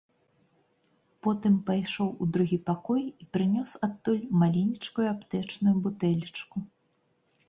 Потым пайшоў у другі пакой і прынёс адтуль маленечкую аптэчную бутэлечку.